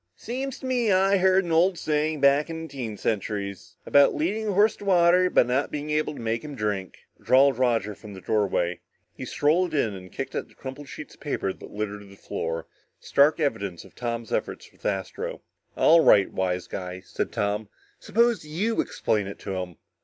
"Seems to me I heard of an old saying back in the teen centuries about leading a horse to water, but not being able to make him drink!" drawled Roger from the doorway. He strolled in and kicked at the crumpled sheets of paper that littered the floor, stark evidence of Tom's efforts with Astro. "All right, wise guy," said Tom, "suppose you explain it to him!"